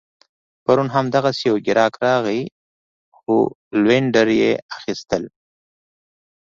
پرون هم دغسي یو ګیراک راغی عود لوینډر يې اخيستل